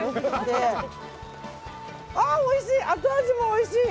おいしい！